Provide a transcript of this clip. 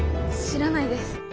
知らないです。